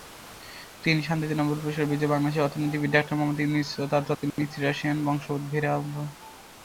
তিনি শান্তিতে নোবেল পুরস্কার বিজয়ী বাংলাদেশী অর্থনীতিবিদ ডাক্তার মুহাম্মদ ইউনুস এবং তার তৎকালীন স্ত্রী রাশিয়ান বংশোদ্ভুত "ভেরা ফরস্তেনকো"-এর কন্যা।